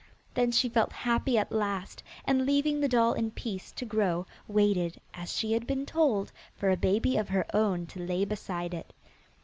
Then she felt happy at last, and leaving the doll in peace to grow, waited, as she had been told, for a baby of her own to lay beside it.